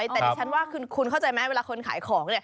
แต่ดิฉันว่าคุณเข้าใจไหมเวลาคนขายของ